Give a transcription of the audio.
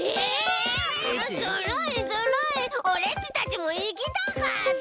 オレっちたちもいきたかった！